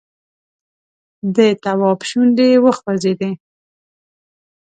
د تواب شونډې وخوځېدې!